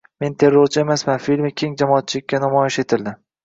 “Men terrorchi emasman” filmi keng jamoatchilikka namoyish etildi